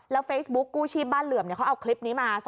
แล้วเฟซบุ๊กกู้ชีบบ้านเหลื่อมเนี่ยเขาเอาคลิปนี้มา